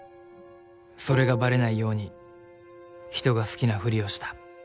それがバレないように人が好きなふりをした。